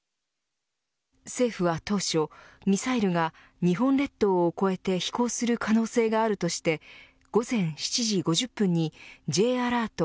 政府は当初ミサイルが日本列島を越えて飛行する可能性があるとして午前７時５０分にＪアラート